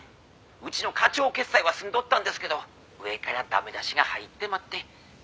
「うちの課長決裁は済んどったんですけど上から駄目出しが入ってまって」